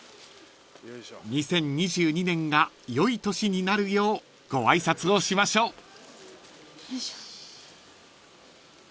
［２０２２年が良い年になるようご挨拶をしましょう］